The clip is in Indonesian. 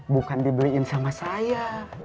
bukan dibeliin sama saya